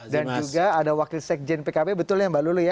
juga ada wakil sekjen pkb betul ya mbak lulu ya